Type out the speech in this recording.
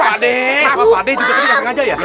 eneh juga tadi ga sengaja ya